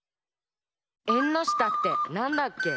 「えんのしたってなんだっけ？」